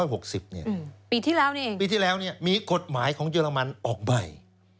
ปีที่แล้วนี่ปีที่แล้วมีกฎหมายของเยอรมันออกใหม่